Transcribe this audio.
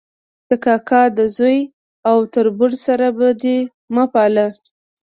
د کاکا د زوی او تربور سره بدي مه پاله